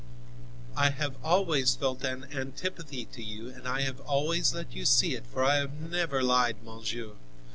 I have always felt an antipathy to you, and I have always let you see it, for I have never lied, monsieur.